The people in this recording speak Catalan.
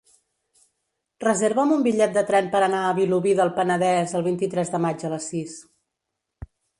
Reserva'm un bitllet de tren per anar a Vilobí del Penedès el vint-i-tres de maig a les sis.